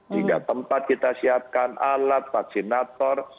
tiga tempat kita siapkan alat vaksinator